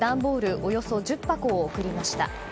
およそ１０箱を送りました。